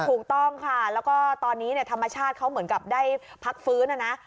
ถูกต้องค่ะแล้วก็ตอนนี้ธรรมชาติเขาเหมือนกับได้พักฟื้นนะนะ